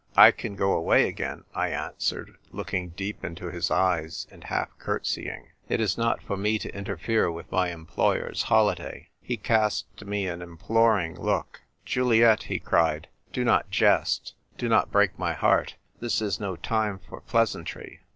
" I can go away again," I answered, looking deep into his eyes, and half curtseying. " It is not for me to interfere with my employer's holiday." " O, ROMEO, ROMEO !" 20/ He cast me an imploring look. "Juliet," he cried, " do not jest. Do not break my heart. This is no time for pleasantry.